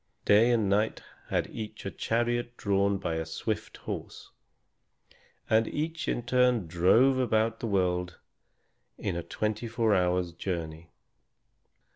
Day and Night had each a chariot drawn by a swift horse, and each in turn drove about the world in a twenty four hours' journey.